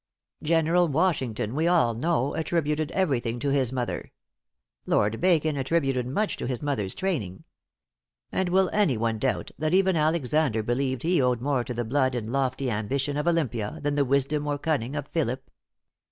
General Washington, we all know, attributed everything to his mother. Lord Bacon attributed much to his mother's training. And will any one doubt that even Alexander believed he owed more to the blood and lofty ambition of Olympia, than the wisdom or cunning of Philip?"